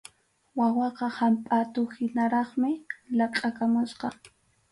Wawaqa hampʼatuhinaraqmi laqʼakamusqa.